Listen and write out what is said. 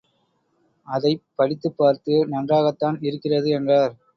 அதைப் படித்துப் பார்த்து, நன்றாகத்தான் இருக்கிறது என்றார்.